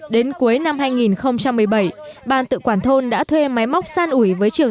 đến cuối năm hai nghìn một mươi bảy ban tự quản thôn đã thuê máy móc san ủi với triều